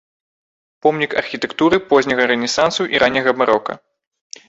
Помнік архітэктуры позняга рэнесансу і ранняга барока.